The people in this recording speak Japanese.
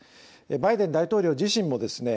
バイデン大統領自身もですね